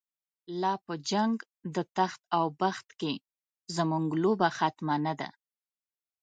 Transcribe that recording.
لا په جنگ د تخت او بخت کی، زمونږ لوبه ختمه نده